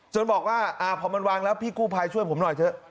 บอกว่าพอมันวางแล้วพี่กู้ภัยช่วยผมหน่อยเถอะ